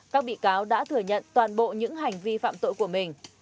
các bị cáo đã thừa nhận toàn bộ những hành vi phạm tội của mình